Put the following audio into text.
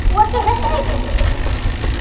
Wagi, d aslif-iw.